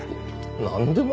なんでも？